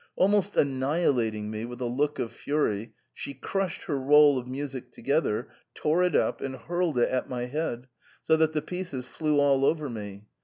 Almost annihilating me with a look of fury, she crushed her roll of music together, tore it up, and hurled it at my head, so that the pieces flew all over me.